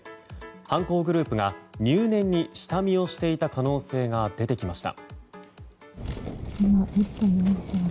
犯行グループが入念に下見をしていた可能性が出てきました。